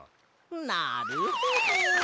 なるほど！